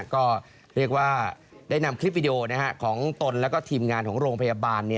ก็เรียกว่าได้นำคลิปวิดีโอของตนและทีมงานของโรงพยาบาล